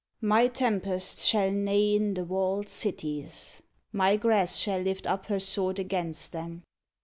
My tempests shall neigh in the walled cities; My grass shall lift up her sword against them; 36.